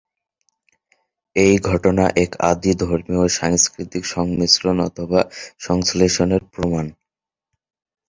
এই ঘটনা এক আদি ধর্মীয় ও সাংস্কৃতিক সংমিশ্রণ অথবা সংশ্লেষণের প্রমাণ।